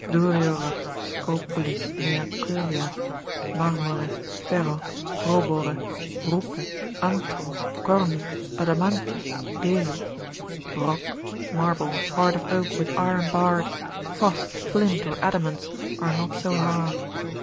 Durior at scopulis mea Coelia, marmore, ferro, Robore, rupe, antro, cornu, adamante, gelu. Rock, marble, heart of oak with iron barr'd, Frost, flint or adamants, are not so hard.